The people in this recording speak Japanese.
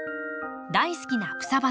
大好きな草花